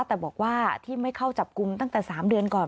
แต่บอกว่าที่ไม่เข้าจับกลุ่มตั้งแต่๓เดือนก่อน